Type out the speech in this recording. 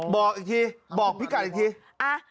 บอกอีกทีบอกพี่กัดอีกที